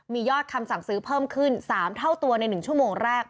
มียอดคำสั่งซื้อเพิ่มขึ้น๓เท่าตัวใน๑ชั่วโมงแรก